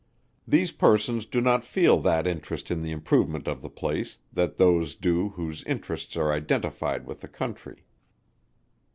These persons do not feel that interest in the improvement of the place, that those do whose interests are identified with the country.